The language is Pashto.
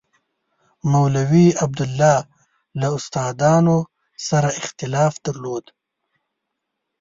مولوي عبیدالله له استادانو سره اختلاف درلود.